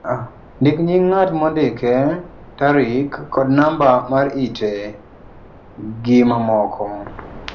ndik nying' ng'at mondike, tarik, kod namba mar ite, gi mamoko